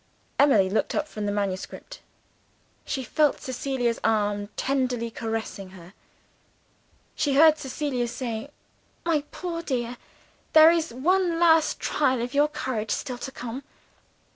'" Emily looked up from the manuscript. She felt Cecilia's arm tenderly caressing her. She heard Cecilia say, "My poor dear, there is one last trial of your courage still to come.